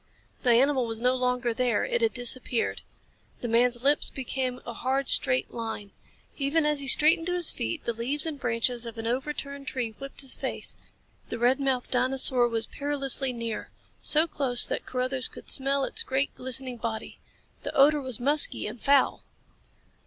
The animal was no longer there. It had disappeared. The man's lips became a hard, straight line. Even as he straightened to his feet the leaves and branches of an overturned tree whipped his face. The red mouthed dinosaur was perilously near. So close that Carruthers could smell its great, glistening body. The odor was musky and foul.